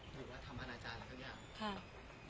หรือว่าธรรมนาจารย์หรืออะไรอย่าง